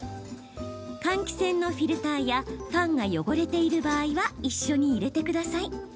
換気扇のフィルターやファンが汚れている場合は一緒に入れてください。